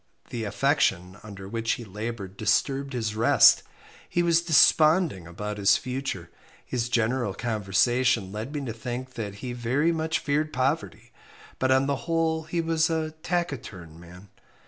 The affection under which he laboured disturbed his rest. He was desponding about his future his general conversation led me to think that he very much feared poverty, but on the whole he was a taciturn man.